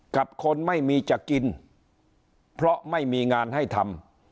กับคนไม่มีจะกินเพราะไม่มีงานให้ทำ